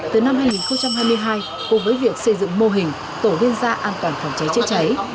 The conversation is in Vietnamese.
từ năm hai nghìn hai mươi hai cùng với việc xây dựng mô hình tổ liên gia an toàn phòng cháy chữa cháy